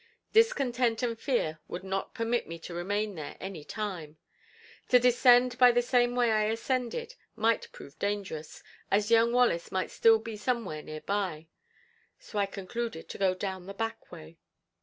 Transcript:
Discontent and fear would not permit me to remain there any time; to descend by the same way I ascended might prove dangerous, as young Wallace might still be somewhere near by, so I concluded to go down the back way.